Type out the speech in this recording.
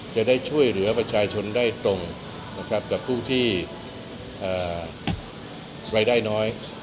จะได้ช่วยเหลือประชาชนได้ตรงนะครับกับผู้ที่รายได้น้อย